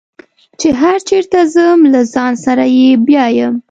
چې هر چېرته ځم له ځان سره یې بیایم.